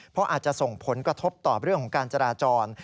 เพราะอาจจะส่งผลกระทบต่อเรื่องของการจราจร